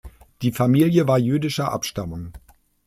Die Familie war jüdischer Abstammung.